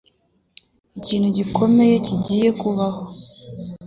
Ikintu gikomeye kigiye kubaho.